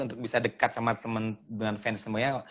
untuk bisa dekat sama temen dengan fans semuanya